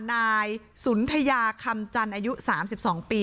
นายสุนทยาคำจันทร์อายุ๓๒ปี